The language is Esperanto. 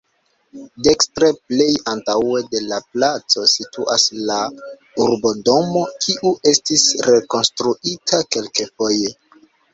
Dekstre plej antaŭe de la placo situas la Urbodomo, kiu estis rekonstruita kelkfoje.